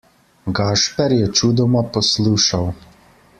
Gašper je čudoma poslušal.